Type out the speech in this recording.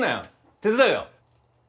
手伝うよ。